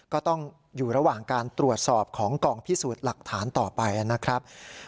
ก็ต้องอยู่ระหว่างการตรวจสอบของกองพิสูจน์หลักฐานต่อไปนะครับ